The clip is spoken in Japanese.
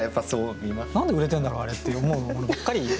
何で売れてんだろうあれって思うものばっかり。